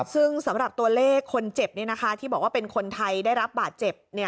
ซึ่งสำหรับตัวเลขคนเจ็บที่บอกว่าเป็นคนไทยได้รับบาดเจ็บ